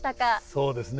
そうですね。